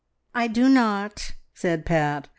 "I do not," said Pat.